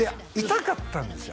痛かったんですよ